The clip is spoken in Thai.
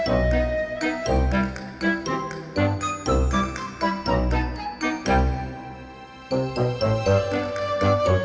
สิ่งที่อยากให้นักเรียนคือ